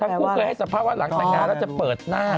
ทั้งคู่คือให้สภาพว่าหลังแต่งงานจะเปิดหน้า